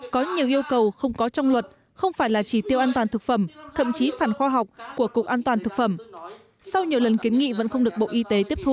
có nhiều yêu cầu không có trong luật không phải là chỉ tiêu an toàn thực phẩm thậm chí phản khoa học của cục an toàn thực phẩm sau nhiều lần kiến nghị vẫn không được bộ y tế tiếp thu